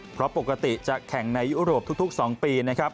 เพราะปกติจะแข่งในยุโรปทุก๒ปีนะครับ